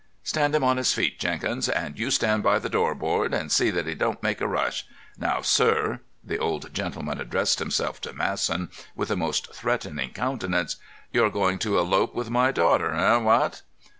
"Stand him on his feet, Jenkins, and you stand by the door, Board, and see that he don't make a rush. Now, sir"—the old gentleman addressed himself to Masson with a most threatening countenance—"you're going to elope with my daughter—eh, what?"